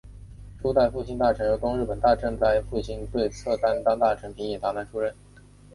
初代复兴大臣由东日本大震灾复兴对策担当大臣平野达男出任。